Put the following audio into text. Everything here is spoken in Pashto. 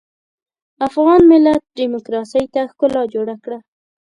افغان ملت ډيموکراسۍ ته ښکلا جوړه کړه.